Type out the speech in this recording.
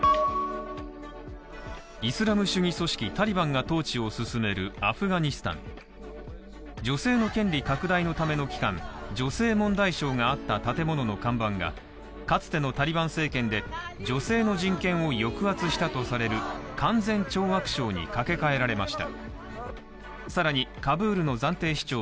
イスラム主義組織タリバンが統治を進めるアフガニスタン女性の権利拡大のための機関女性問題省があった建物の看板がかつてのタリバン政権で女性の人権を抑圧したとされる勧善懲悪省に架け替えられました